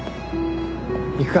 行くか。